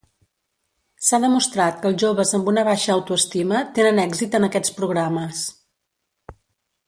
S'ha demostrat que els joves amb una baixa autoestima tenen èxit en aquests programes.